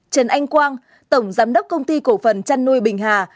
hai trần anh quang tổng giám đốc công ty cổ phần trăn nuôi bình hà